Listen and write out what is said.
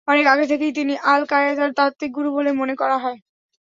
অনেক আগে থেকেই তিনি আল-কায়েদার তাত্ত্বিক গুরু বলে মনে করা হয়।